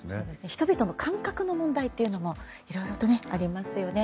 人々の感覚の問題というのもいろいろとありますよね。